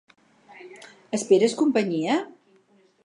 Esperes companyia?